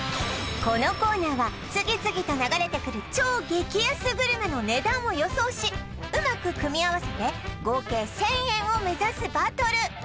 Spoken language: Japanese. このコーナーは次々と流れてくる超激安グルメの値段を予想しうまく組み合わせて合計１０００円を目指すバトル